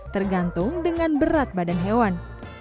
tergantung dengan berat badan hewan